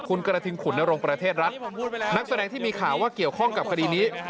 คุณกระทิงขุนนรงประเทศรัฐนักแสดงที่มีข่าวว่าเกี่ยวข้องกับคดีนี้